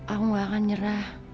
aku gak akan nyerah